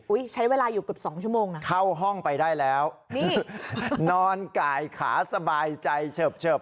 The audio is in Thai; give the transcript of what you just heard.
ใช้เวลาอยู่เกือบสองชั่วโมงอ่ะเข้าห้องไปได้แล้วนี่นอนกายขาสบายใจเฉิบเฉิบ